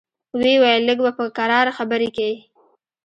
ويې ويل لږ به په کراره خبرې کيې.